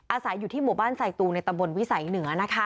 อาศัยอยู่ที่หมู่บ้านไซตูงในตำบลวิสัยเหนือ